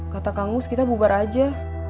kata kangus kita bubar aja